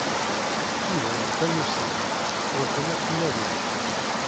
Fuden tamussni, ruḥen ad tt-nadin.